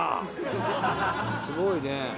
すごいね。